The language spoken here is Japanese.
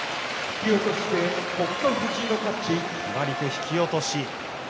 決まり手は引き落とし。